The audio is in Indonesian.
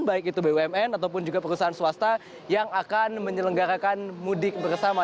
baik itu bumn ataupun juga perusahaan swasta yang akan menyelenggarakan mudik bersama